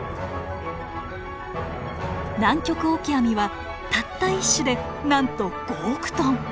ナンキョクオキアミはたった一種でなんと５億トン。